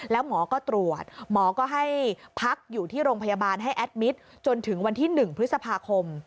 แล้วหมอก็ตรวจหมอก็ให้พักอยู่ที่โรงพยาบาลให้แอดมิตรจนถึงวันที่๑พฤษภาคม